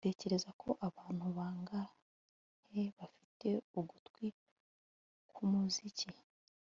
Utekereza ko abantu bangahe bafite ugutwi kwumuziki